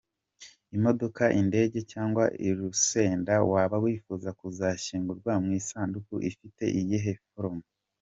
Imodoka, indege, cyangwa urusenda - waba wifuza kuzashingurwa mu isanduku ifite iyihe foroma?.